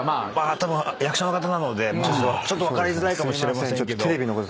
たぶん役者の方なのでちょっと分かりづらいかもしれませんけど。